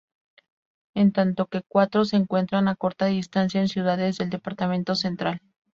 En tanto que cuatro se encuentran a corta distancia en ciudades del departamento Central.